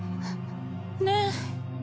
ねえ？